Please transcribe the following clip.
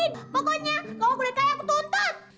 pokoknya kalau aku udah kaya aku tuntut